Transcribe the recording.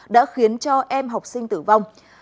đã khiến cho em học sinh tử vong